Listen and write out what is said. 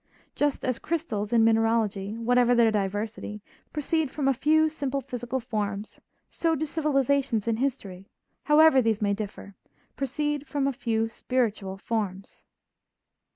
Just as crystals in mineralogy, whatever their diversity, proceed from a few simple physical forms, so do civilizations in history, however these may differ, proceed from a few spiritual forms.